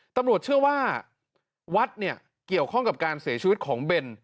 ตำรวจเชื่อว่าวัดเนี่ยเกี่ยวข้องกับการเสียชีวิตของเบน